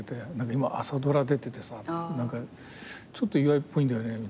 「今朝ドラ出ててさ何かちょっと岩井っぽいんだよね。